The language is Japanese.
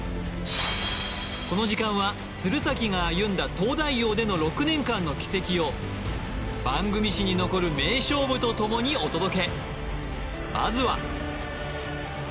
この時間は鶴崎が歩んだ「東大王」での６年間の軌跡を番組史に残る名勝負とともにお届け